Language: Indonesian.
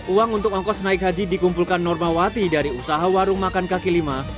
uang untuk ongkos naik haji dikumpulkan normawati dari usaha warung makan kaki lima